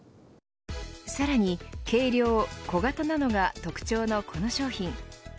さらに軽量、小型なのが特徴のこの商品。